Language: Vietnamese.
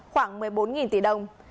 khoảng một mươi bốn tỷ đồng